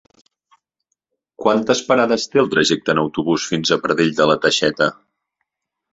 Quantes parades té el trajecte en autobús fins a Pradell de la Teixeta?